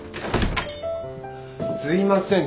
すいません。